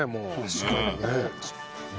確かにね。